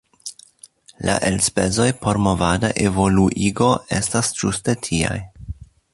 La elspezoj por movada evoluigo estas ĝuste tiaj.